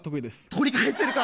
取り返せるか。